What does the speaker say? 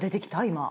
今。